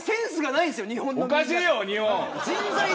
おかしいよ日本。